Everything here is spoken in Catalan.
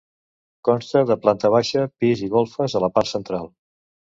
Consta de planta baixa, pis i golfes a la part central.